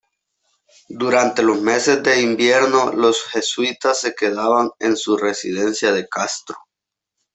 Durante los meses de invierno, los jesuitas se quedaban en su residencia de Castro.